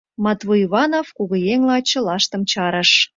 — Матвуй Иванов кугыеҥла чылаштым чарыш.